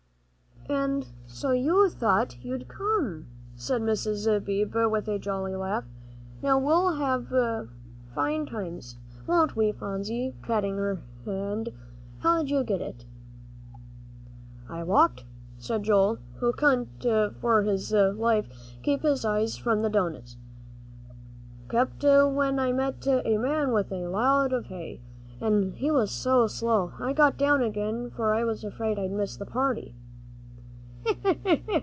"An' so you thought you'd come," said Mr. Beebe, with a jolly little laugh. "Now we'll have fine times, won't we, Phronsie?" patting her hand. "How'd you git here?" "I walked," said Joel, who couldn't for his life keep his eyes from the doughnuts, "'cept when I met a man with a load of hay. An' he was so slow I got down again, for I was afraid I'd miss the party."